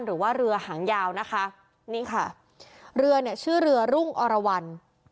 หรือว่าเรือหางยาวนะคะนี่ค่ะเรือเนี่ยชื่อเรือรุ่งอรวรรณ